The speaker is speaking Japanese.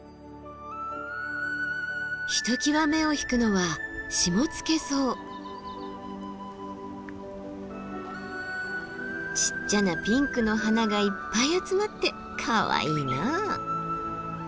ひときわ目を引くのはちっちゃなピンクの花がいっぱい集まってかわいいな。